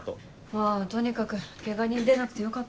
まぁとにかくケガ人出なくてよかったわ。